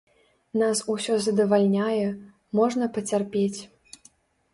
Нас усё задавальняе, можна пацярпець.